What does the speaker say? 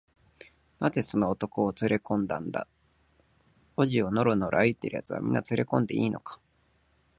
「なぜその男をつれこんだんだ？小路をのろのろ歩いているやつは、みんなつれこんでいいのか？」